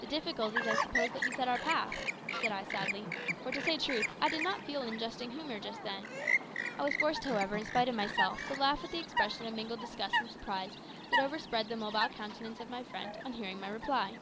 "The difficulties, I suppose, that beset our path," said I sadly; for, to say truth, I did not feel in a jesting humour just then. I was forced, however, in spite of myself, to laugh at the expression of mingled disgust and surprise that overspread the mobile countenance of my friend on hearing my reply.